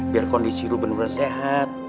biar kondisi lo bener bener sehat